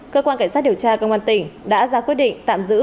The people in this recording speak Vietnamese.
cơ quan cảnh sát điều tra công an tỉnh đã ra quyết định tạm giữ